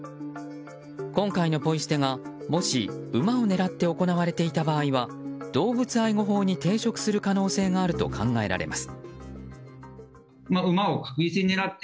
今回のポイ捨てが、もし馬を狙って行われていた場合は動物愛護法に抵触する可能性があると考えられます。